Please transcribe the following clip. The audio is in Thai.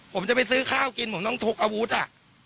ผมจะไปซื้อข้าวกินผมต้องพกอาวุธอ่ะ